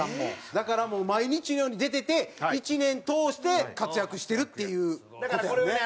だからもう毎日のように出てて１年通して活躍してるっていう事やんね。